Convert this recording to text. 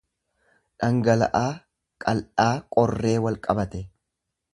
dhangala'aa qal'aa qorree wal qabate.